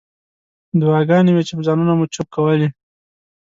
دعاګانې وې چې په ځانونو مو چوف کولې.